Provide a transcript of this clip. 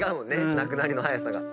なくなりの早さが。